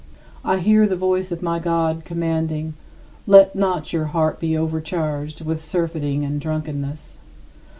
45. I hear the voice of my God commanding: "Let not your heart be overcharged with surfeiting and drunkenness."